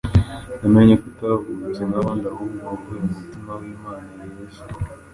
Namenye ko utavutse nk'abandi, ahubwo wavuye mu mutima w'imana yeze!